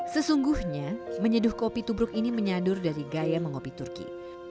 sesungguhnya menyeduh kopi tubruk ini menyadur dari gaya mengopi turki